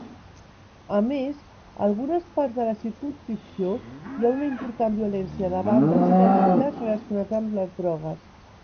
A més, algunes parts de la circumscripció hi ha una important violència de bandes i delictes relacionats amb les drogues.